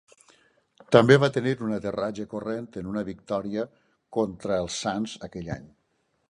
També va tenir un aterratge corrent en una victòria contra els sants aquell any.